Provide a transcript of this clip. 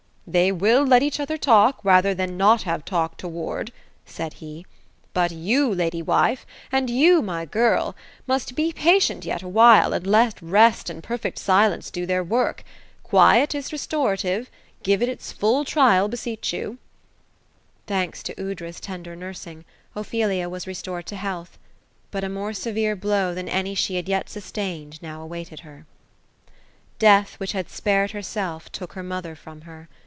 ^ They will let each other talk — rather than not have talk toward," said he ;^ but you, lady wife, and you, my girl, must be patient yet THE ROSE OF ELSINORE. 257 awhile, and let rest and perfect silence do their work. Quiet is restora tive. Give it its full trial, 'beseech jou." Thanks to Aoudra's tender nursing, Ophelia was restored to health. But a more severe blow, than any she had jet sustained, now awaited her. Death, which had spared herself, took her mother from her.